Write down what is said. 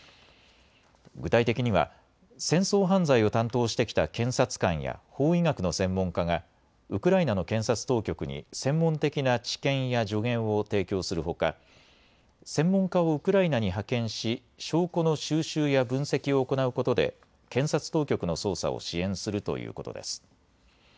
具体的には戦争犯罪を担当してきた検察官や法医学の専門家がウクライナの検察当局に専門的な知見や助言を提供するほか専門家をウクライナに派遣し証拠の収集や分析を行うことで検察当局の捜査を支援するということです。